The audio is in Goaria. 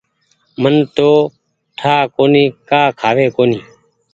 من تو ٺآ ڪونيٚ ڪآ کآوي ڪونيٚ۔